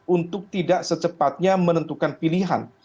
untuk tidak secepatnya menentukan pilihan